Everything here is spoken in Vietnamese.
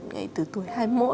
ngay từ tuổi hai mươi một